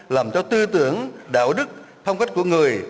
làm cho tư tưởng đạo đức phong cách của người